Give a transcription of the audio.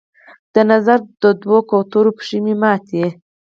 د نظر د دوو کوترو پښې مې ماتي